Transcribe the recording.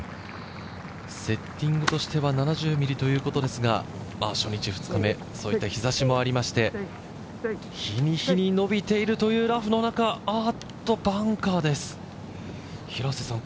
セッティングとしては７０ｍｍということですが初日、２日目、そういった日差しもありまして、日に日に伸びているというラフの中、バンカーです。